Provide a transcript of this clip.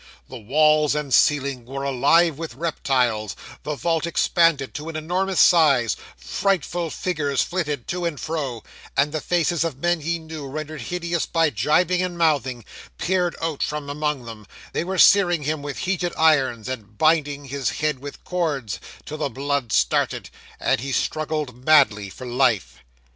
The walls and ceiling were alive with reptiles the vault expanded to an enormous size frightful figures flitted to and fro and the faces of men he knew, rendered hideous by gibing and mouthing, peered out from among them; they were searing him with heated irons, and binding his head with cords till the blood started; and he struggled madly for life.